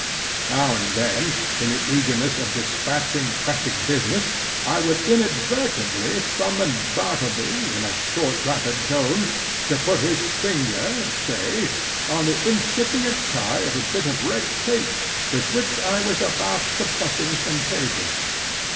Now and then, in the eagerness of dispatching pressing business, I would inadvertently summon Bartleby, in a short, rapid tone, to put his finger, say, on the incipient tie of a bit of red tape with which I was about compressing some papers.